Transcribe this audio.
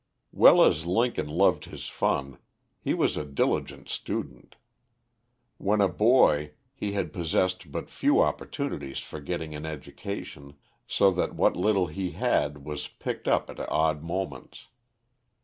Well as Lincoln loved his fun, he was a diligent student. When a boy, he had possessed but few opportunities for getting an education; so that what little he had was picked up at odd moments.